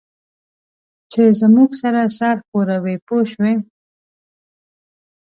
چې زموږ سره سر ښوروي پوه شوې!.